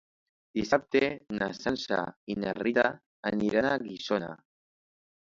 Dissabte na Sança i na Rita aniran a Guissona.